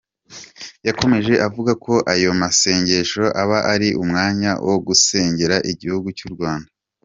Yakomeje avuga ko aya masengesho aba ari umwanya wo gusengera igihugu cy’u Rwanda.